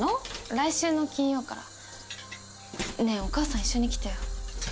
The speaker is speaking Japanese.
来週の金曜からねえお母さん一緒に来てよ